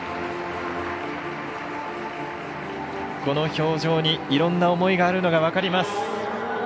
この表情にいろんな思いがあるのが分かります。